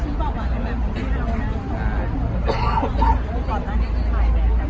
พี่ก่อนขอชี้บอกมา